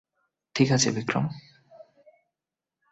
ঠিক আছে, বিক্রম।